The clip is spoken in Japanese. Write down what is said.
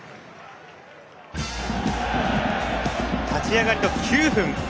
立ち上がりの９分。